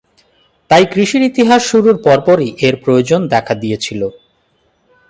তাই কৃষির ইতিহাস শুরুর পরপরই এর প্রয়োজন দেখা দিয়েছিলো।